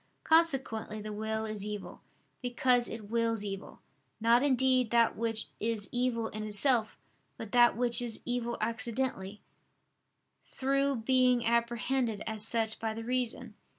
Consequently the will is evil, because it wills evil, not indeed that which is evil in itself, but that which is evil accidentally, through being apprehended as such by the reason.